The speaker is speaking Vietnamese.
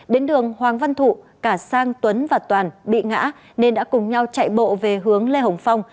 đến đường hoàng văn thụ cả sang tuấn và toàn bị ngã nên đã cùng nhau chạy bộ về hướng lê hồng phong